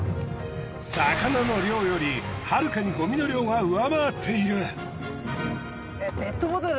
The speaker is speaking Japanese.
魚の量よりはるかにごみの量が上回っている。